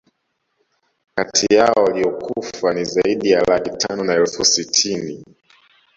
Kati yao waliokufa ni zaidi ya laki tano na elfu sitini